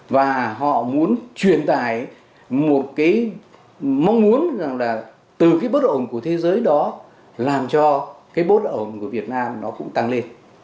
và họ muốn truyền tải một mong muốn từ bất ổn của thế giới đó làm cho bất ổn của việt nam tăng lên